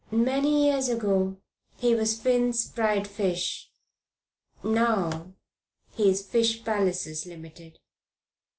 "Many years ago he was 'Finn's Fried Fish.' Now he's 'Fish Palaces, Limited.'